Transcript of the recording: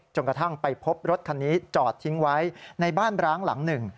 กระทั่งไปพบรถคันนี้จอดทิ้งไว้ในบ้านร้างหลังหนึ่ง